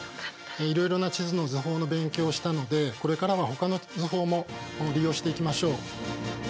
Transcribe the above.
いろいろな地図の図法の勉強をしたのでこれからはほかの図法も利用していきましょう。